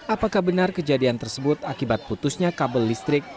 apakah benar kejadian tersebut akibat putusnya kabel listrik